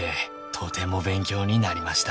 「とても勉強になりました」